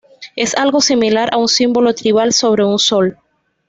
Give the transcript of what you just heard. Es algo similar a un símbolo tribal sobre un sol.